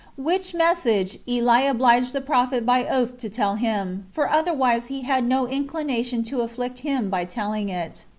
Which message Eli obliged the prophet by oath to tell him, for otherwise he had no inclination to afflict him by telling it.